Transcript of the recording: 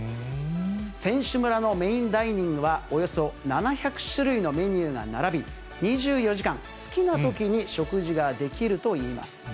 選手村のメインダイニングは、およそ７００種類のメニューが並び、２４時間好きなときに食事ができるといいます。